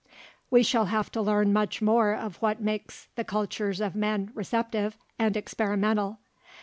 We shall have to learn much more of what makes the cultures of men "receptive" and experimental.